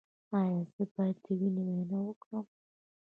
ایا زه باید د وینې معاینه وکړم؟